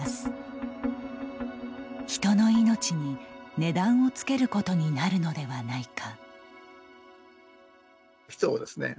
人のいのちに値段をつけることになるのではないか？